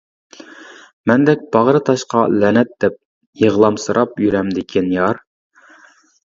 مەندەك باغرى تاشقا لەنەت دەپ-يىغلامسىراپ يۈرەمدىكىن يار.